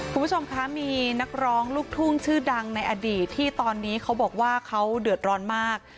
คุณผู้ชมคะมีนักร้องลูกทุ่งชื่อดังในอดีตที่ตอนนี้เขาบอกว่าเขาเดือดร้อนมาก